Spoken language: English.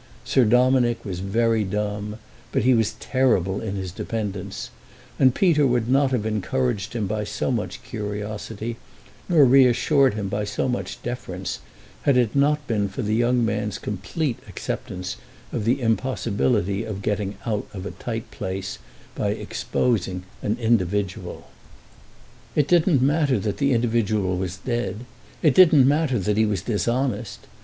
Sir Dominick was very dumb, but he was terrible in his dependence, and Peter would not have encouraged him by so much curiosity nor reassured him by so much deference had it not been for the young man's complete acceptance of the impossibility of getting out of a tight place by exposing an individual. It didn't matter that the individual was dead; it didn't matter that he was dishonest.